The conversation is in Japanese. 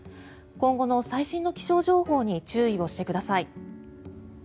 今後の最新の気象情報に注意してください。